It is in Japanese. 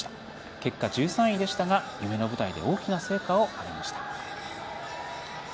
結果、１３位でしたが夢の舞台で大きな成果をあげました。